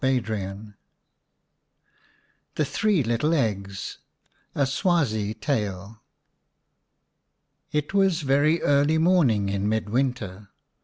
65 VII THE THREE LITTLE EGGS A SWAZI TALE IT was very early morning in mid winter.